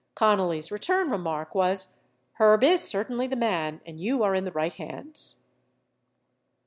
Connally's return remark was, "Herb is certainly the man, and you are in the right hands."